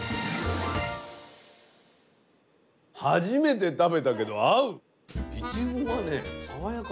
初めて食べたけど合う！